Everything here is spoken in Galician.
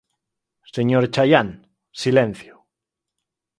¡Señor Chaián, silencio!